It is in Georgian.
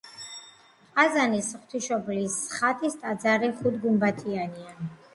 ყაზანის ღვთისმშობლის ხატის ტაძარი ხუთგუმბათიანია.